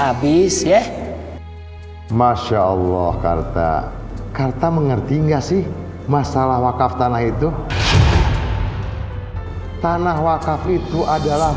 habis ya masya allah karta karta mengerti nggak sih masalah wakaf tanah itu tanah wakaf itu adalah